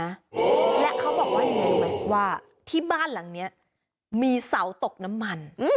แล้วเขาบอกว่ายังไงรู้ไหมว่าที่บ้านหลังเนี้ยมีเสาตกน้ำมัน